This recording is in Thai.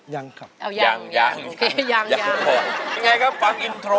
ยังครับเป็นค